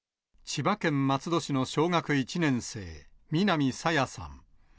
千葉県松戸市の小学１年生、南朝芽さん。